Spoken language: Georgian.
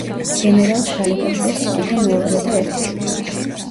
გენერალ შალიკაშვილს ჰყავდა მეუღლე და ერთი შვილი.